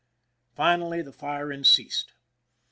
Finally the firing ceased.